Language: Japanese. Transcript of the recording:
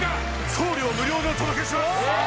送料無料でお届けします